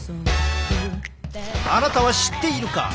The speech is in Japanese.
あなたは知っているか？